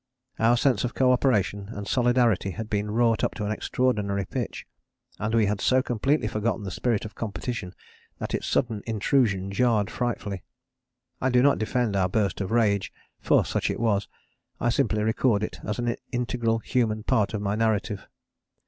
Our sense of co operation and solidarity had been wrought up to an extraordinary pitch; and we had so completely forgotten the spirit of competition that its sudden intrusion jarred frightfully. I do not defend our burst of rage for such it was I simply record it as an integral human part of my narrative.